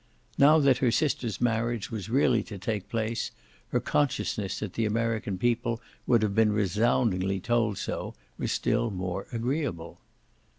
Now that her sister's marriage was really to take place her consciousness that the American people would have been resoundingly told so was still more agreeable.